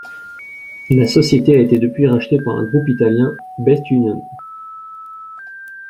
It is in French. La société a été depuis rachetée par un groupe Italien: Best Union.